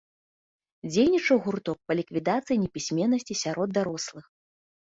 Дзейнічаў гурток па ліквідацыі непісьменнасці сярод дарослых.